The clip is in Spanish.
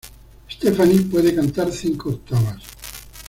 Stephanie puede cantar cinco octavas.